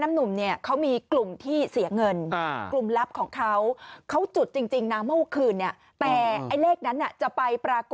แนมนุมเนี่ยเขามีกลุ่มที่เสียเงินกลุ่มลับของเขาเขาจุดจริงนาวะคืนนี้ไป